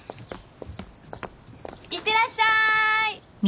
いってらっしゃい。